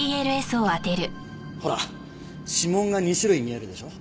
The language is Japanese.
ほら指紋が２種類見えるでしょ？